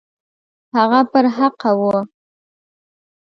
هغه پر حقه وو.